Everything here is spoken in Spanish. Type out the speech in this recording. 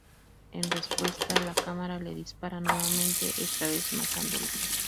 En respuesta, la cámara le dispara nuevamente, esta vez matándolo.